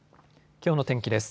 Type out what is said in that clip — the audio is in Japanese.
きょうの天気です。